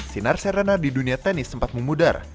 sinar serena di dunia tenis sempat memudar